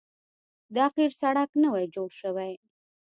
دا قیر سړک نوی جوړ شوی